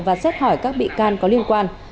và xét hỏi các bị can có liên quan